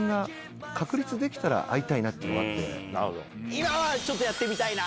今はちょっとやってみたいな！